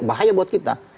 bahaya buat kita